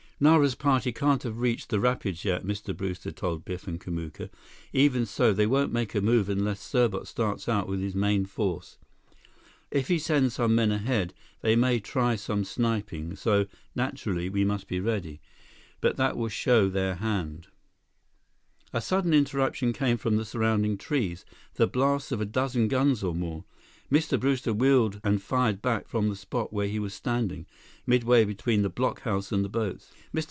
"Nara's party can't have reached the rapids yet," Mr. Brewster told Biff and Kamuka. "Even so, they won't make a move unless Serbot starts out with his main force. If he sends some men ahead, they may try some sniping so, naturally, we must be ready. But that will show their hand—" A sudden interruption came from the surrounding trees, the blasts of a dozen guns or more. Mr. Brewster wheeled and fired back from the spot where he was standing, midway between the blockhouse and the boats. Mr.